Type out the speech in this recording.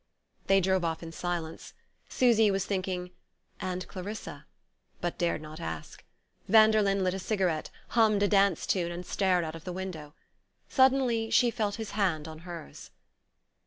They drove off in silence. Susy was thinking: "And Clarissa?" but dared not ask. Vanderlyn lit a cigarette, hummed a dance tune, and stared out of the window. Suddenly she felt his hand on hers.